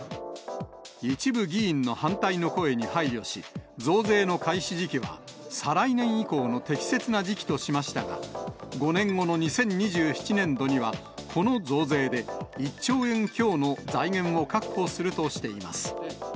一部議員の反対の声に配慮し、増税の開始時期は、再来年以降の適切な時期としましたが、５年後の２０２７年度には、この増税で１兆円強の財源を確保するとしています。